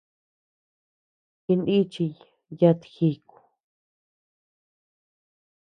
Jinichiy yat jíku.